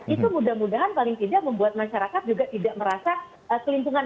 itu mudah mudahan paling tidak membuat masyarakat juga tidak merasa kelimpungan